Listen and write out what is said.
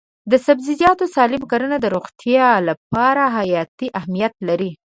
د سبزیجاتو سالم کرنه د روغتیا لپاره حیاتي اهمیت لري.